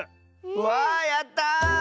わあやった！